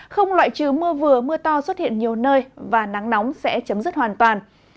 không loại trừ mưa vừa mưa to xuất hiện nhiều nơi và nắng nóng sẽ chấm dứt hoàn toàn